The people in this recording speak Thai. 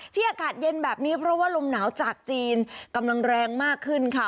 อากาศเย็นแบบนี้เพราะว่าลมหนาวจากจีนกำลังแรงมากขึ้นค่ะ